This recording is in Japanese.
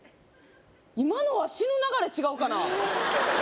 今のは死ぬ流れ違うかな？